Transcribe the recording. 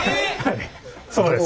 そうです。